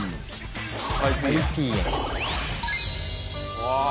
うわ！